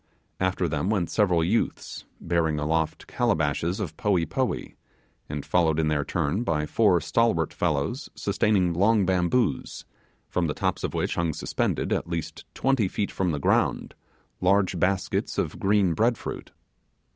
After them went several youths, bearing aloft calabashes of poee poee, and followed in their turn by four stalwart fellows, sustaining long bamboos, from the tops of which hung suspended, at least twenty feet from the ground, large baskets of green bread fruits.